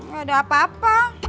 gak ada apa apa